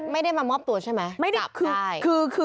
ไม่ได้มามอบตัวใช่ไหม